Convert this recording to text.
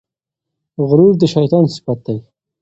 غرور د شیطان صفت دی.